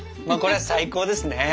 これは最高ですね！